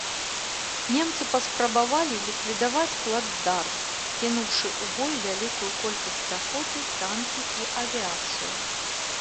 Немцы паспрабавалі ліквідаваць плацдарм, кінуўшы ў бой вялікую колькасць пяхоты, танкі і авіяцыю.